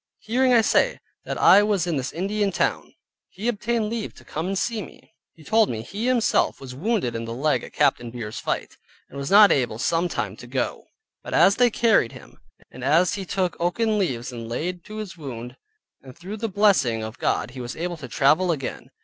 Hearing, I say, that I was in this Indian town, he obtained leave to come and see me. He told me he himself was wounded in the leg at Captain Beer's fight; and was not able some time to go, but as they carried him, and as he took oaken leaves and laid to his wound, and through the blessing of God he was able to travel again.